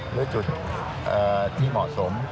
หรือจุดที่เหมาะสม